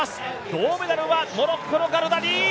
銅メダルはモロッコのガルダディ！